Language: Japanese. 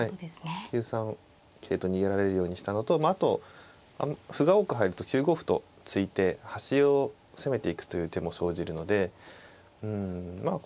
９三桂と逃げられるようにしたのとあと歩が多く入ると９五歩と突いて端を攻めていくという手も生じるのでうんまあ